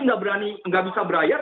tidak berani tidak bisa berayar